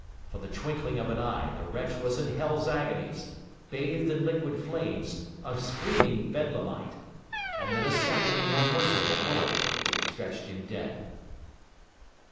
For the twinkling of an eye the wretch was in hell's agonies, bathed in liquid flames, a screaming bedlamite; and then a second and more merciful bullet stretched him dead.